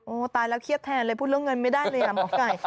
ตายแล้วเครียดแทนเลยพูดเรื่องเงินไม่ได้เลยอ่ะหมอไก่